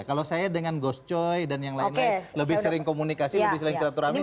kalau saya dengan gus coy dan yang lain lain lebih sering komunikasi lebih sering silaturahmi